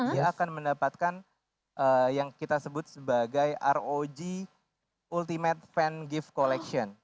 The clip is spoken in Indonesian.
dia akan mendapatkan yang kita sebut sebagai rog ultimate fan gift collection